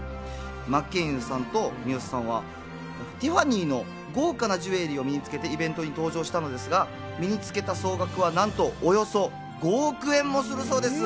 真剣佑さんと三吉さんはティファニーの豪華なジュエリーを身につけてイベントに登場したのですが身につけた総額は何と５億円もするそうです。